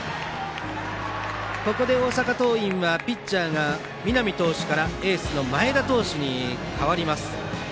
ここで大阪桐蔭はピッチャーが南投手からエースの前田投手に代わります。